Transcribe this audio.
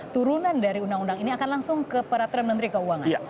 turunan dari undang undang ini akan langsung ke peraturan menteri keuangan